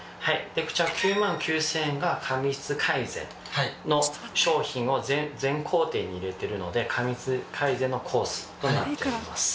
こちら９万９０００円が髪質改善の商品を全工程に入れてるので髪質改善のコースとなっております